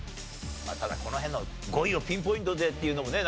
ただこの辺の５位をピンポイントでっていうのもね